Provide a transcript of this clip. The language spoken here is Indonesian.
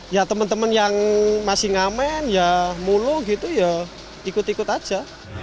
ya teman teman yang masih ngamen ya mulu gitu ya ikut ikut aja